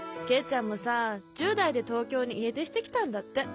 圭ちゃんもさ１０代で東京に家出してきたんだって。